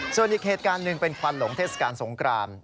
ส่วนอีกเหตุการณ์หนึ่งเป็นควันหลงเทศกาลสงคราม